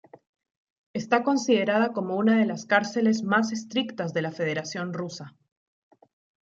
Está considerada como una de las cárceles "más estrictas" de la Federación Rusa.